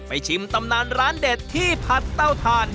ชิมตำนานร้านเด็ดที่ผัดเต้าทาน